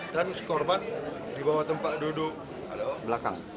dan korban dibawa tempat duduk belakang